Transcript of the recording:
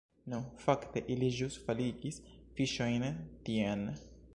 Nu, fakte ili ĵus faligis fiŝojn tien